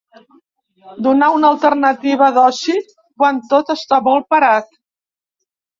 “Donar una alternativa d’oci quan tot està molt parat”.